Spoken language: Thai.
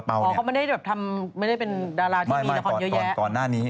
อ๋อมันไม่ได้เป็นดาราที่มีโดคอนเยอะแยะ